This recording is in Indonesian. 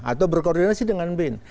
atau berkoordinasi dengan bin